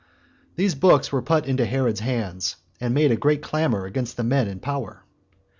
These books were put into Herod's hands, and made a great clamor against the men in power.